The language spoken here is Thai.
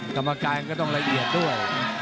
กรรมการก็ต้องละเอียดด้วย